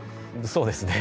そうですね。